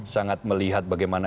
sangat melihat bagaimana